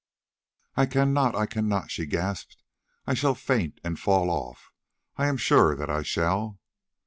"I cannot, I cannot," she gasped, "I shall faint and fall off. I am sure that I shall."